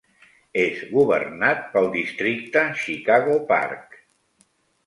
És governat pel Districte Chicago Park.